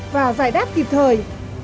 và giải đáp kịp thời